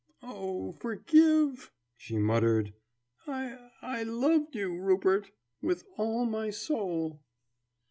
"Oh, forgive!" she muttered. "I I loved you, Rupert with all my soul!"